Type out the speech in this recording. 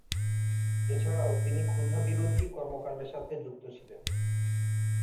এছাড়াও, তিনি ক্ষুধা বিরোধী কর্মকাণ্ডের সাথে যুক্ত ছিলেন।